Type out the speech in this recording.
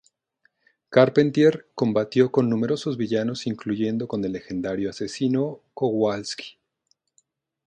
Carpentier combatió con numerosos villanos incluyendo con el legendario Asesino Kowalski.